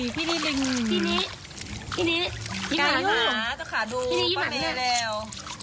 พิมพ์ดินินิขาดูป้าเมย์แล้ว